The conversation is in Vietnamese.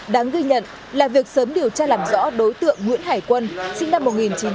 đáng ghi nhận là việc sớm điều tra làm rõ đối tượng nguyễn hải quân sinh năm một nghìn chín trăm tám mươi